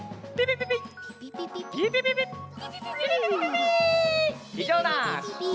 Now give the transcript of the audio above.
ピピピピピピ。